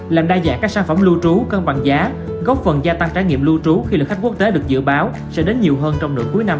làm đa dạng các sản phẩm lưu trú cân bằng giá góp phần gia tăng trải nghiệm lưu trú khi lượng khách quốc tế được dự báo sẽ đến nhiều hơn trong nửa cuối năm hai nghìn hai mươi ba